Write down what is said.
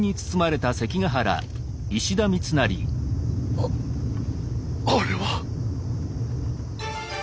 ああれは。